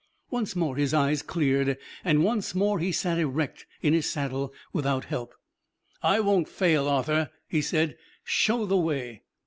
Once more his eyes cleared and once more he sat erect in his saddle without help. "I won't fail, Arthur," he said. "Show the way."